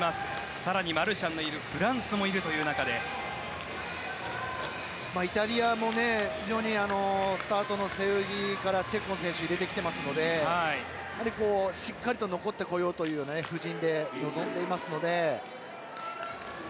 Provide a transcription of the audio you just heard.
更にマルシャンのいるフランスもいるという中でイタリアも非常にスタートの背泳ぎからチェッコン選手を入れてきていますのでしっかりと残ってこようという布陣で臨んでいますので。